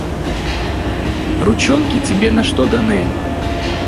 Ручонки тебе на что даны?